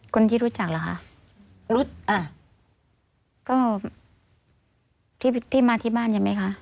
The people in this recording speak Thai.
คนที่รู้จักเหรอคะรู้จักอ่าก็ที่ที่มาที่บ้านใช่ไหมคะ